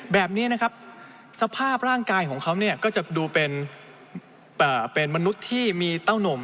แบบนี้นะครับสภาพร่างกายของเขาเนี่ยก็จะดูเป็นมนุษย์ที่มีเต้านม